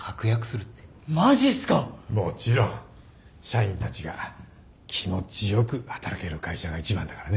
社員たちが気持ち良く働ける会社が一番だからね。